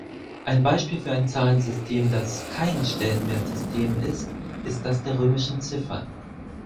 Ein Beispiel für ein Zahlensystem, das "kein" Stellenwertsystem ist, ist das der römischen Ziffern.